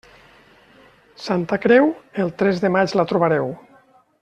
Santa Creu?, el tres de maig la trobareu.